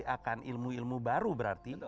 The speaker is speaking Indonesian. akan ilmu ilmu baru berarti